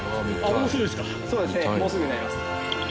もうすぐになります。